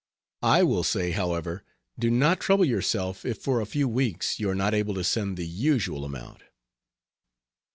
I will say, however, do not trouble yourself if for a few weeks you are not able to send the usual amount.